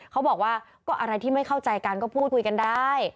เขาบอกว่าก็อะไรที่ไม่เข้าใจกันก็พูดคุยกันได้